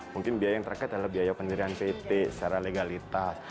mungkin biaya yang terkait adalah biaya pendirian pt secara legalitas